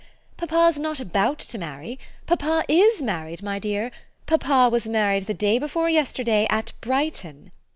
"Papa's not about to marry papa IS married, my dear. Papa was married the day before yesterday at Brighton."